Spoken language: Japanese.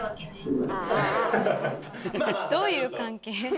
どういう関係？